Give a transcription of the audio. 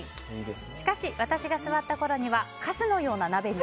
しかし私が座ったころにはカスのような鍋に。